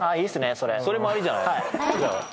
それそれもありじゃない？